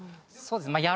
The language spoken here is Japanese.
そうですね。